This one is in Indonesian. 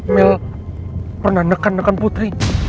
mil pernah nekan nekan putri